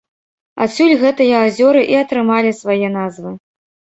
Адсюль гэтыя азёры і атрымалі свае назвы.